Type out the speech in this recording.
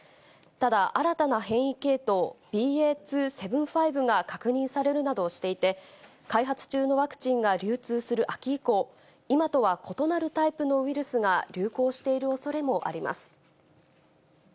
ただ、新たな変異系統ＢＡ．２．７５が確認されるなどしていて、開発中のワクチンが流通する秋以降、今とは異なるタイプのウイルスが流行しているおそれもあります。